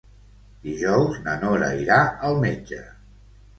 Dijous na Nora irà al metge.